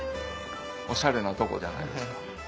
オシャレなとこじゃないですか。